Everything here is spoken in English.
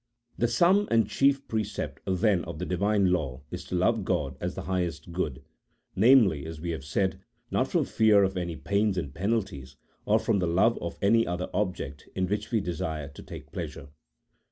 The sum and chief precept, then, of the Divine law is to love God as the highest good, namely, as we have said, not from fear of any pains and penalties, or from the love of any other object in which we desire to take pleasure.